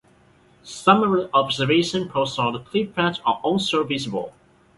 Some of the observation posts on the cliff edge are also visible.